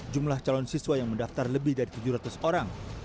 jumlah calon siswa yang mendaftar lebih dari tujuh ratus orang